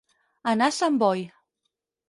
Anar a Sant Boi.